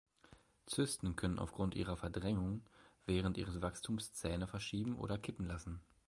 Zysten können auf Grund ihrer Verdrängung während ihres Wachstums Zähne verschieben oder kippen lassen.